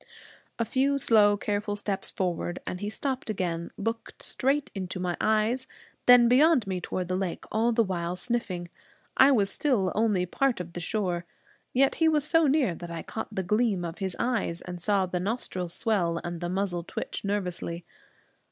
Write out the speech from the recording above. A few slow careful steps forward, and he stopped again, looked straight into my eyes, then beyond me towards the lake, all the while sniffing. I was still only part of the shore. Yet he was so near that I caught the gleam of his eyes, and saw the nostrils swell and the muzzle twitch nervously.